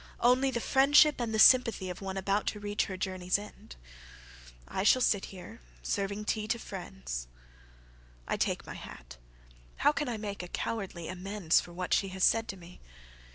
Only the friendship and the sympathyOf one about to reach her journey's end.I shall sit here, serving tea to friends.…"I take my hat: how can I make a cowardly amendsFor what she has said to me?